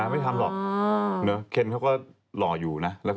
พีชสมัยก็รู้จัก